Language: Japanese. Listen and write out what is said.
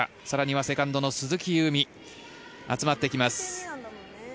更にはセカンドの鈴木夕湖集まってきます。